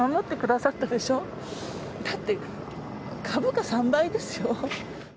だって株価３倍ですよ。